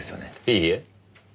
いいえ？